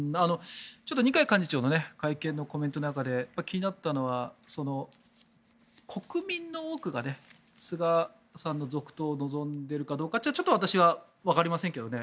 二階幹事長の会見のコメントの中で気になったのは国民の多くが菅さんの続投を望んでいるかどうかはちょっと私はわかりませんけどね。